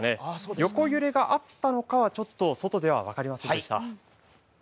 横揺れがあったのかは外では分かりませんでした。